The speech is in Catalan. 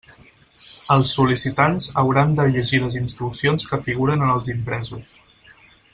Els sol·licitants hauran de llegir les instruccions que figuren en els impresos.